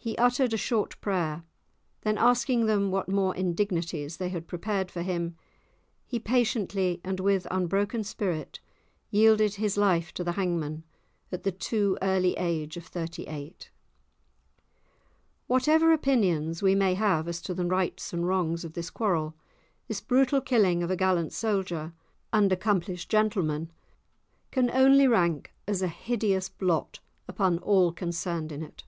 He uttered a short prayer; then asking them what more indignities they had prepared for him, he patiently and with unbroken spirit yielded his life to the hangman, at the too early age of thirty eight. Whatever opinions we may have as to the rights and wrongs of the quarrel, this brutal killing of a gallant soldier and accomplished gentleman can only rank as a hideous blot upon all concerned in it.